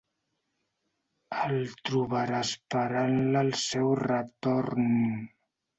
El trobarà esperant-la al seu retorn.